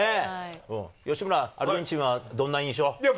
吉村、アルゼンチンはどんな印象？